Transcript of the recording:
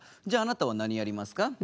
じゃあなたは何やりますか？